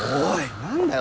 何だよ